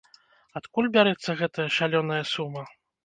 Адкуль бярэцца гэтая шалёная сума?